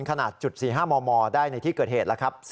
ขนาดจุด๔๕มได้ในที่เกิดเหตุแล้วครับ